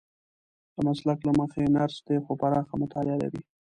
د مسلک له مخې نرس دی خو پراخه مطالعه لري.